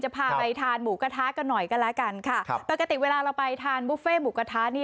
พาไปทานหมูกระทะกันหน่อยก็แล้วกันค่ะครับปกติเวลาเราไปทานบุฟเฟ่หมูกระทะนี่